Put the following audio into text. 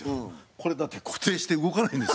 これだって固定して動かないんです。